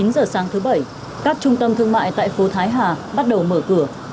chín giờ sáng thứ bảy các trung tâm thương mại tại phố thái hà bắt đầu mở cửa